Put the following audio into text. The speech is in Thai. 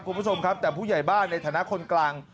คุณผู้ชมครับแต่ผู้ใหญ่บ้านในฐานะคนกลาง